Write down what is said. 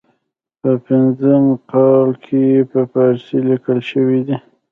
په ه ق کال کې په پارسي لیکل شوی دی.